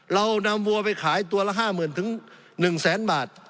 เรานำวัวไปขายตัวละ๕หมื่นถึง๑แสนบาท